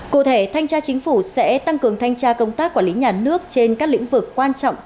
cụ thể thanh tra chính phủ sẽ tăng cường thanh tra công tác quản lý nhà nước trên các lĩnh vực quan trọng